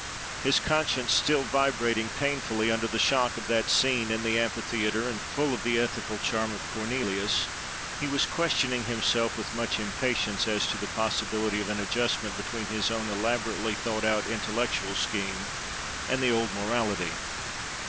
His conscience still vibrating painfully under the shock of that scene in the amphitheatre, and full of the ethical charm of Cornelius, he was questioning himself with much impatience as to the possibility of an adjustment between his own elaborately thought out intellectual scheme and the "old morality."